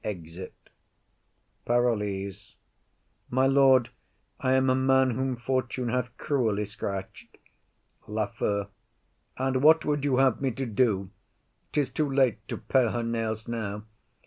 [Exit.] PAROLLES. My lord, I am a man whom Fortune hath cruelly scratch'd. LAFEW. And what would you have me to do? 'Tis too late to pare her nails now.